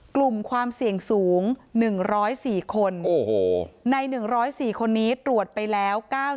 กลุ่มความเสี่ยงสูง๑๐๔คนใน๑๐๔คนนี้ตรวจไปแล้ว๙๐